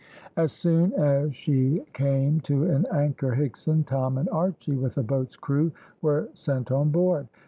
As soon as she came to an anchor, Higson, Tom, and Archy, with a boat's crew were sent on board.